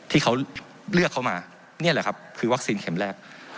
ที่เขาเลือกเขามานี่แหละครับคือวัคซีนเข็มแรก